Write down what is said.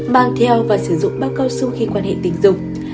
ba mang theo và sử dụng bao cao su khi quan hệ tình dục